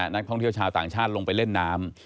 นักท่องเที่ยวชาวต่างชาติลงไปเล่นน้ำ